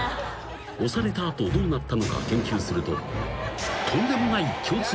［推された後どうなったのか研究すると］